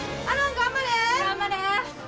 頑張れ！